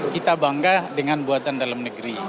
kita bangga dengan buatan dalam negeri